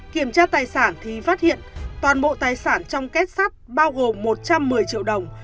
kiểm tra tài sản thì phát hiện toàn bộ tài sản trong kết sắt bao gồm một trăm một mươi triệu đồng